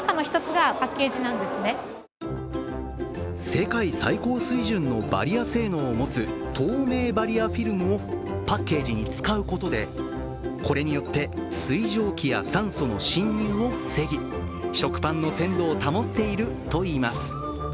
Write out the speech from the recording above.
世界最高水準のバリア性能を持つ透明バリアフィルムをパッケージに使うことでこれによって水蒸気や酸素の侵入を防ぎ食パンの鮮度を保っているといいます。